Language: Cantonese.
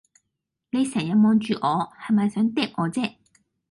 你成日望住我，係咪想嗒我姐?